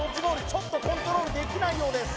ちょっとコントロールできないようです